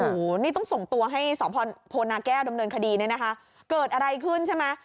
โอ้โหนี่ต้องส่งตัวให้สพโพนาแก้วดำเนินคดีเนี่ยนะคะเกิดอะไรขึ้นใช่ไหม